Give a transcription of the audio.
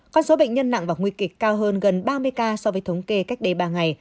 con số bệnh nhân nặng và nguy kịch cao hơn gần ba mươi ca so với thống kê cách đây ba ngày